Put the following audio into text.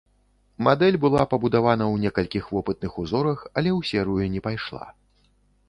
Мадэль была пабудавана ў некалькіх вопытных узорах, але ў серыю не пайшла.